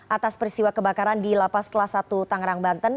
atas peristiwa kebakaran di lapas kelas satu tangerang banten